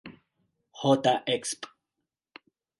J. Exp.